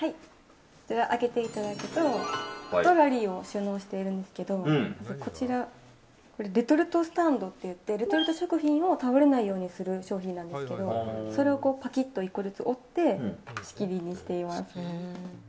開けていただくとカトラリーを収納しているんですけどこちらレトルトスタンドといってレトルト食品を倒れないようにする商品なんですけどそれをぱきっと１個ずつ折って仕切りにしています。